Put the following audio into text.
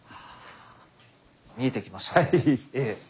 見えてきました。